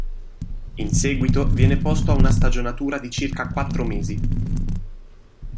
In seguito viene posto a una stagionatura di circa quattro mesi.